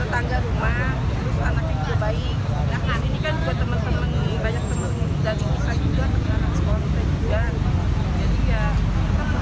ini kan juga teman teman banyak teman teman dari nisa juga dari sekolah juga